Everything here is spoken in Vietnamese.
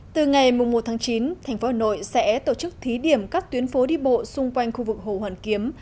từ ngày một chín tp hà nội sẽ tổ chức thí điểm các tuyến phố đi bộ xung quanh khu vực hồ hoàn kiếm